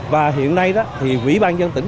và hiện nay thì quỹ ban dân tỉnh